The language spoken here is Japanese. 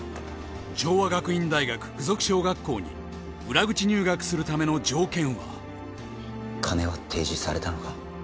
城和学院大学附属小学校に裏口入学するための条件は金は提示されたのか？